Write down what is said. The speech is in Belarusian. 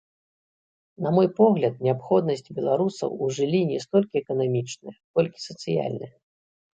На мой погляд, неабходнасць беларусаў у жыллі не столькі эканамічная, колькі сацыяльная.